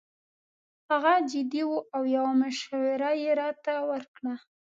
هغه جدي وو او یو مشوره یې راته ورکړه.